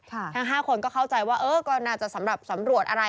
ทั้ง๕คนก็เข้าใจว่าเออก็น่าจะสำหรับสำรวจอะไร